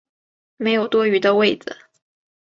没有多余的位子